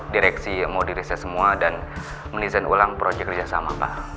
direksi mau direses semua dan menisahkan ulang proyek kerjasama pak